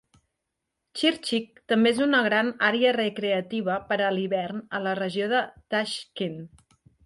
Chirchiq també és una gran àrea recreativa per a l'hivern a la regió de Tashkent.